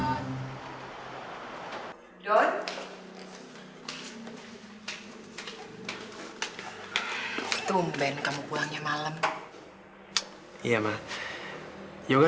mau pake mobil gua gak